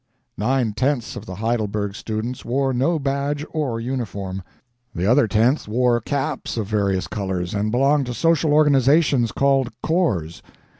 Nine tenths of the Heidelberg students wore no badge or uniform; the other tenth wore caps of various colors, and belonged to social organizations called "corps."